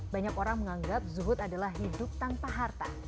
banyak orang menganggap zuhud adalah hidup tanpa harta